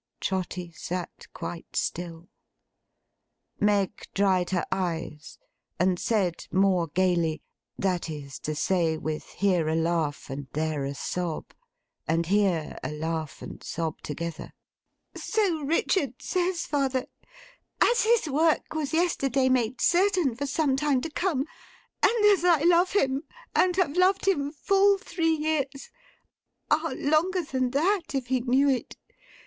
Trotty sat quite still. Meg dried her eyes, and said more gaily: that is to say, with here a laugh, and there a sob, and here a laugh and sob together: 'So Richard says, father; as his work was yesterday made certain for some time to come, and as I love him, and have loved him full three years—ah! longer than that, if he knew it!